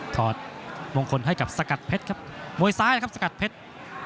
ถอดมงคลให้กับสกัดเพชรครับมวยซ้ายนะครับสกัดเพชร